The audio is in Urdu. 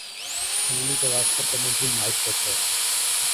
سنیل گواسکر کمنٹری مائیک پہ تھے۔